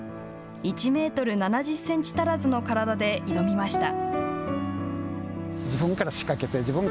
１メートル７０センチ足らずの体で挑みました。